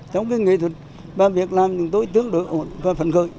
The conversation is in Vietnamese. trong cái nghệ thuật và việc làm thì tôi tưởng đối ổn và phấn khởi